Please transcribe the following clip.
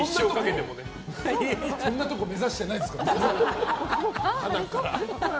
そんなとこ目指してないですから最初から。